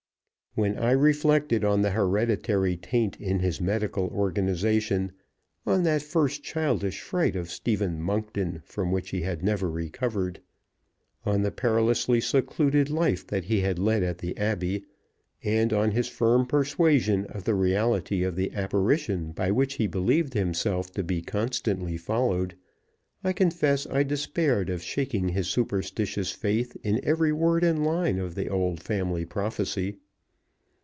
When I reflected on the hereditary taint in his mental organization, on that first childish fright of Stephen Monkton from which he had never recovered, on the perilously secluded life that he had led at the Abbey, and on his firm persuasion of the reality of the apparition by which he believed himself to be constantly followed, I confess I despaired of shaking his superstitious faith in every word and line of the old family prophecy.